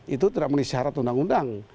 itu tidak menulis syarat undang undang